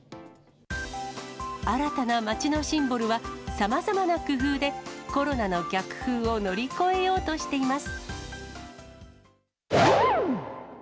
新たな街のシンボルは、さまざまな工夫でコロナの逆風を乗り越えようとしています。